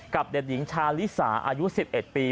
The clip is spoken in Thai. เด็กหญิงชาลิสาอายุ๑๑ปี